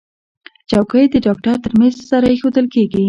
چوکۍ د ډاکټر تر میز سره ایښودل کېږي.